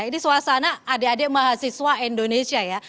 ini suasana adik adik mahasiswa indonesia ya